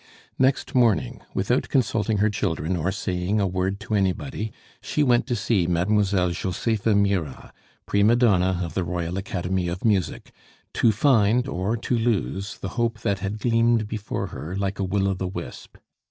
Next morning, without consulting her children or saying a word to anybody, she went to see Mademoiselle Josepha Mirah, prima donna of the Royal Academy of Music, to find or to lose the hope that had gleamed before her like a will o' the wisp.